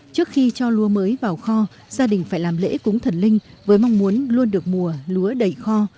trước khi cho lúa mới vào kho gia đình phải làm lễ cúng thần linh với mong muốn luôn được mùa lúa đầy kho